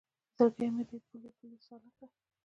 زړګی مې دی پولۍ پولۍ سالکه